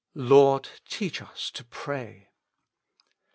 "Lord, teach us to pray."